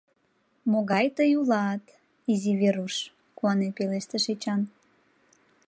Могай тый улат, изи Веруш! — куанен пелештыш Эчан.